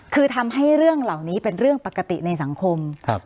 คือทำให้เรื่องเหล่านี้เป็นเรื่องปกติในสังคม